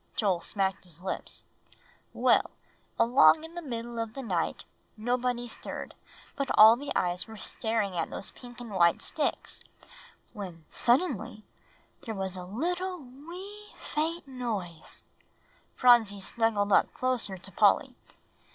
Joel smacked his lips. "Well, along in the middle of the night, nobody stirred, but all the eyes were staring at those pink and white sticks, when suddenly there was a little wee, faint noise." Phronsie snuggled up closer to Polly.